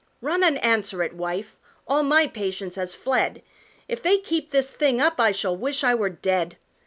"Run and answer it, wife, all my patience has fled, If they keep this thing up I shall wish I were dead!